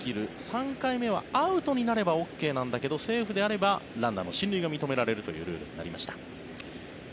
３回目はアウトになればＯＫなんだけど、セーフであればランナーの進塁が認められるというルールになりました。